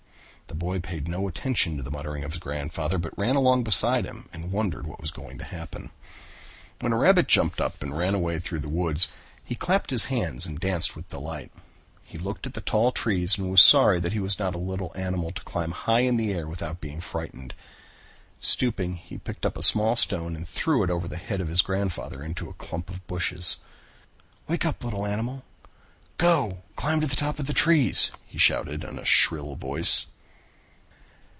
The boy paid no attention to the muttering of his grandfather, but ran along beside him and wondered what was going to happen. When a rabbit jumped up and ran away through the woods, he clapped his hands and danced with delight. He looked at the tall trees and was sorry that he was not a little animal to climb high in the air without being frightened. Stooping, he picked up a small stone and threw it over the head of his grandfather into a clump of bushes. "Wake up, little animal. Go and climb to the top of the trees," he shouted in a shrill voice.